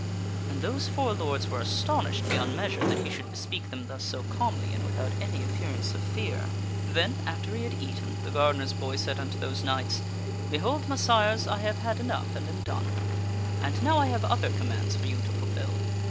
And those four lords were astonished beyond measure that he should bespeak them thus so calmly and without any appearance of fear. Then, after he had eaten, the gardener's boy said unto those knights, " Behold, Messires, I have had enough and am done ; and now 1 have other commands for you to fulfil.